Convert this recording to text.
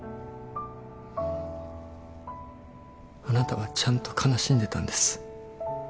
あなたはちゃんと悲しんでたんです。